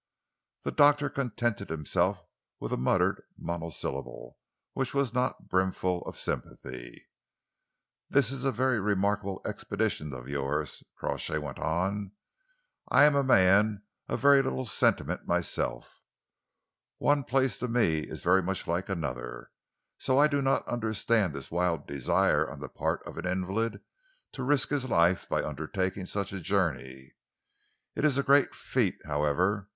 The doctor contented himself with a muttered monosyllable which was not brimful of sympathy. "This is a very remarkable expedition of yours," Crawshay went on. "I am a man of very little sentiment myself one place to me is very much like another so I do not understand this wild desire on the part of an invalid to risk his life by undertaking such a journey. It is a great feat, however.